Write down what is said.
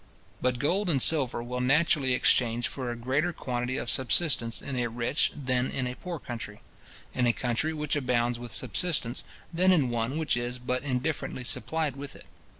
But gold and silver will naturally exchange for a greater quantity of subsistence in a rich than in a poor country; in a country which abounds with subsistence, than in one which is but indifferently supplied with it.